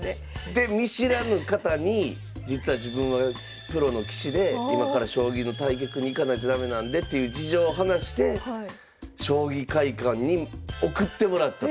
で見知らぬ方に実は自分はプロの棋士で今から将棋の対局に行かないと駄目なんでという事情を話して将棋会館に送ってもらったという。